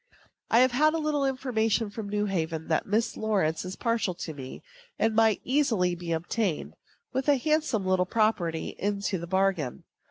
I have had a little intimation from New Haven that Miss Lawrence is partial to me, and might easily be obtained, with a handsome property into the bargain.